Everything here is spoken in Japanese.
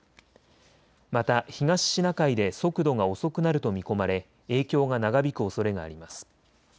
また東シナ海で速度が遅くなると見込まれ影響が長引くおそれがあります。